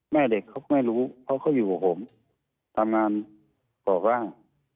แม่เด็กเขาไม่รู้เขาก็อยู่กับผมทำงานก่อร่าง